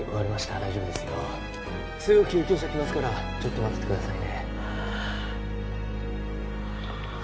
大丈夫ですよすぐ救急車来ますからちょっと待っててくださいね